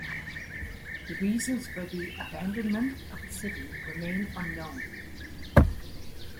The reasons for the abandonment of the city remain unknown.